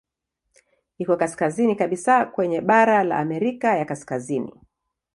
Iko kaskazini kabisa kwenye bara la Amerika ya Kaskazini.